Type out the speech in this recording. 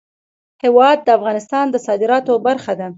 هوا د افغانستان د صادراتو برخه ده.